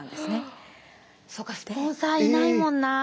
そうかスポンサーいないもんな。